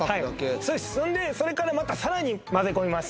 それでそれからまたさらにまぜ込みます